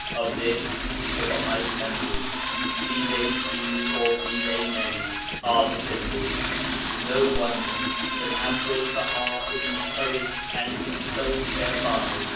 Of this the Bahai temples be they few, or be they many are the symbols. No wonder that Abdul Baha is encouraged and consoled thereby.